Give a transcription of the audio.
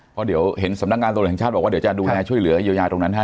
เพราะเดี๋ยวเห็นสำนักงานตำรวจแห่งชาติบอกว่าเดี๋ยวจะดูแลช่วยเหลือเยียวยาตรงนั้นให้